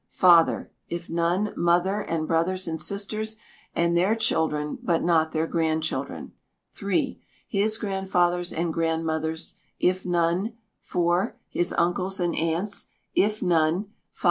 Father; if none, mother, and brothers and sisters, and their children (but not their grandchildren); iii. His grandfathers and grandmothers; if none, iv. His uncles and aunts; if none, v.